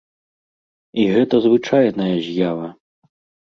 І гэта звычайная з'ява.